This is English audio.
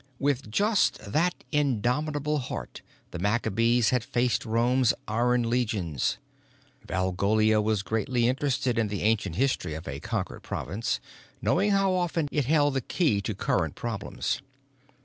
With just that indomitable heart, the Maccabees had faced Rome's iron legions Valgolia was greatly interested in the ancient history of a conquered province, knowing how often it held the key to current problems.